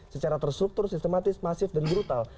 secara terstruktur sistematis masif dan brutal